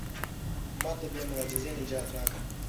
ما ته بې معجزې نجات راکړه.